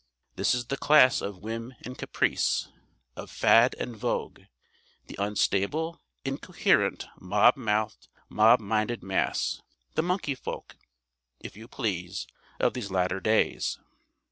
This is the class of whim and caprice, of fad and vogue, the unstable, incoherent, mob mouthed, mob minded mass, the "monkey folk," if you please, of these latter days.